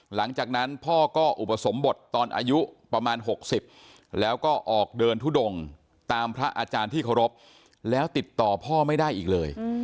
หลังจากนั้นพ่อก็อุปสมบทตอนอายุประมาณ๖๐แล้วก็ออกเดินทุดงตามพระอาจารย์ที่เคารพแล้วติดต่อพ่อไม่ได้อีกเลย